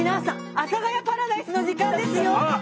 阿佐ヶ谷パラダイスの時間ですよ！